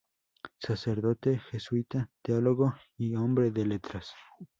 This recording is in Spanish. Sacerdote Jesuita, Teólogo y hombre de letras.